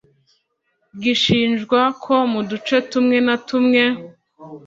gishinjwa ko mu duce tumwe na tumwe